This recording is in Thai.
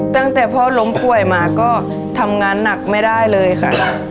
ตั้งแต่พ่อล้มป่วยมาก็ทำงานหนักไม่ได้เลยค่ะ